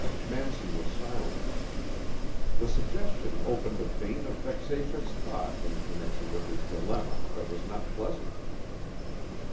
Manson was silent. The suggestion opened a vein of vexatious thought in connection with his dilemma that was not pleasant.